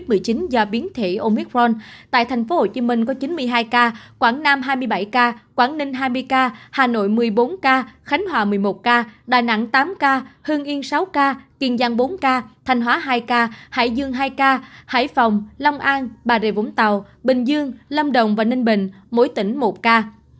covid một mươi chín do biến thể omicron tại tp hcm có chín mươi hai ca quảng nam hai mươi bảy ca quảng ninh hai mươi ca hà nội một mươi bốn ca khánh hòa một mươi một ca đà nẵng tám ca hương yên sáu ca kiên giang bốn ca thanh hóa hai ca hải dương hai ca hải phòng long an bà rệ vũng tàu bình dương lâm đồng và ninh bình mỗi tỉnh một ca